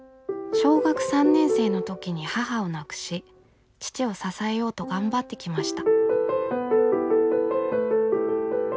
小学３年生の時に母を亡くし父を支えようと頑張ってきました。